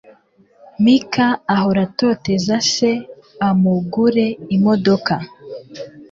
Mike ahora atoteza se ngo amugure imodoka.